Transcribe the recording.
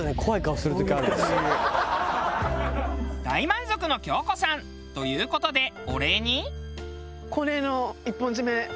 大満足の京子さん。という事でお礼に。